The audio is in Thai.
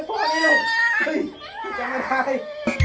ซัก